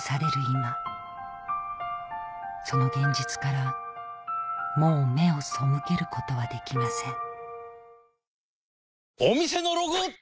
今その現実からもう目を背けることはできません